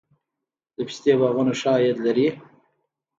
د پستې باغونه ښه عاید لري؟